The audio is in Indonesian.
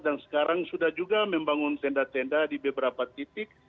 dan sekarang sudah juga membangun tenda tenda di beberapa titik